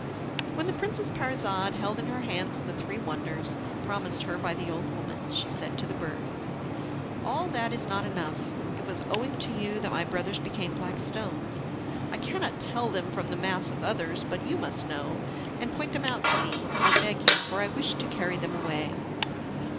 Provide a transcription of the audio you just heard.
When the Princess Parizade held in her hands the three wonders promised her by the old woman, she said to the bird: "All that is not enough. It was owing to you that my brothers became black stones. I cannot tell them from the mass of others, but you must know, and point them out to me, I beg you, for I wish to carry them away."